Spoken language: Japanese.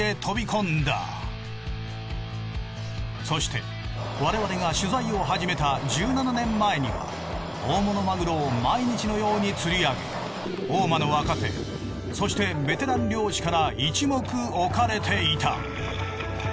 そして我々が取材を始めた１７年前には大物マグロを毎日のように釣り上げ大間の若手そしてベテラン漁師から一目置かれていた。